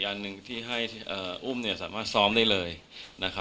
อันหนึ่งที่ให้อุ้มเนี่ยสามารถซ้อมได้เลยนะครับ